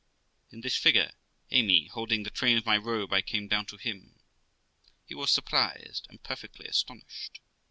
In this figure, Amy holding the train of my robe, I came down to him. He was surprised, and per fectly astonished.